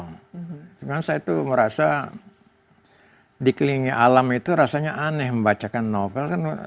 kemudian saya itu merasa di kelilingi alam itu rasanya aneh membacakan novel